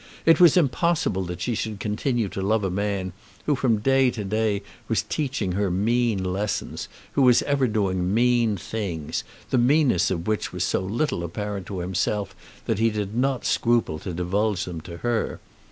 It was impossible that she could continue to love a man who from day to day was teaching her mean lessons, and who was ever doing mean things, the meanness of which was so little apparent to himself that he did not scruple to divulge them to her.